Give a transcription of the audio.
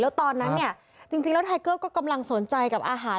แล้วตอนนั้นเนี่ยจริงแล้วไทเกอร์ก็กำลังสนใจกับอาหาร